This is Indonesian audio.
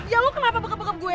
ya lu kenapa begap begap gue